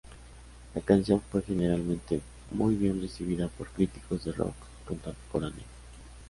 La canción fue generalmente muy bien recibida por críticos de "rock" contemporáneo.